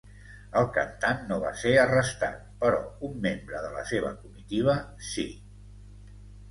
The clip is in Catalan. El cantant no va ser arrestat, però un membre de la seva comitiva sí.